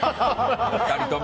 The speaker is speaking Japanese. ２人とも。